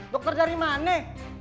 dokter dari mana